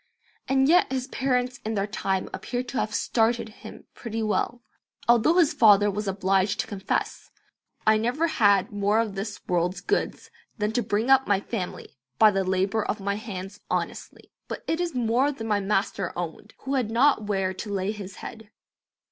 And yet his parents in their time appear to have "started" him pretty well, although his father was obliged to confess, "I never had more of this world's goods than to bring up my family by the labour of my hands honestly, but it is more than my Master owned, who had not where to lay His head."